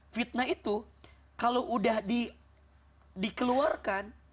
fitnah itu kalau udah dikeluarkan